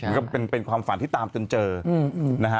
ก็เป็นความฝันที่ตามจนเจอนะฮะ